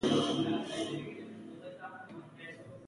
دا ژورنال په کال کې څلور ځله خپریږي.